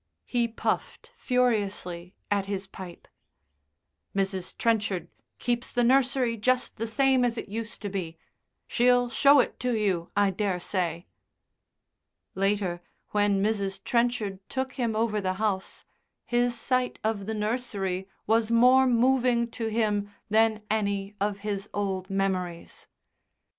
He puffed furiously at his pipe. "Mrs. Trenchard keeps the nursery just the same as it used to be. She'll show it to you, I daresay." Later, when Mrs. Trenchard took him over the house, his sight of the nursery was more moving to him than any of his old memories.